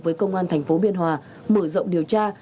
với công an thành phố biên hòa mở rộng điều tra